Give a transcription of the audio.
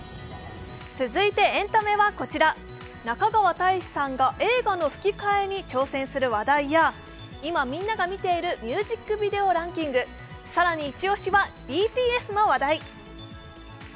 続いてエンタメは、中川大志さんが映画の吹き替えに挑戦する話題や今みんなが見ているミュージックビデオランキング更にイチオシは、ＢＴＳの話題。